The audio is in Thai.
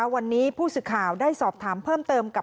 วันนี้ผู้สื่อข่าวได้สอบถามเพิ่มเติมกับ